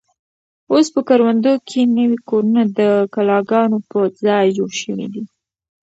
اوس په کروندو کې نوي کورونه د کلاګانو په ځای جوړ شوي دي.